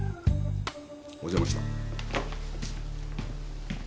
お邪魔した。